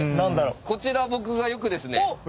こちら僕がよくですね。